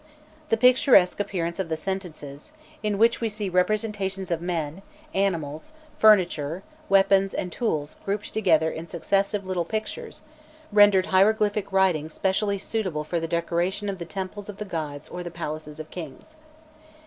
The picturesque appearance of the sentences, in which we see representations of men, animals, furniture, weapons, and tools grouped together in successive little pictures, rendered hieroglyphic writing specially suitable for the decoration of the temples of the gods or the palaces of kings.